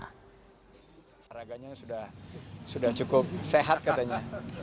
olahraganya sudah cukup sehat katanya